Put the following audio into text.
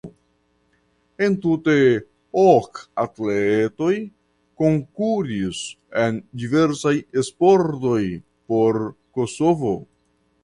Entute ok atletoj konkuris en diversaj sportoj por Kosovo.